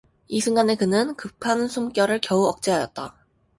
이 순간에 그는 급한 숨결을 겨우 억제하였다.